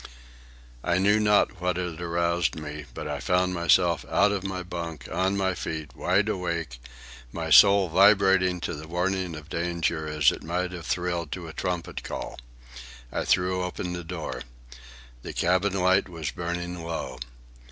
I knew not what had aroused me, but I found myself out of my bunk, on my feet, wide awake, my soul vibrating to the warning of danger as it might have thrilled to a trumpet call. I threw open the door. The cabin light was burning low.